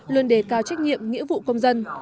luôn đề cao trách nhiệm nghĩa vụ công dân